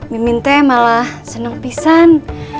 miminte malah seneng pisah